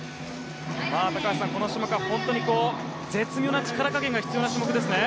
高橋さん、この種目は本当に絶妙な力加減が必要な種目ですね。